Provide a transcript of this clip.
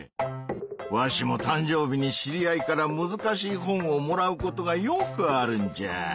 わしもたんじょうびに知り合いからむずかしい本をもらうことがよくあるんじゃ。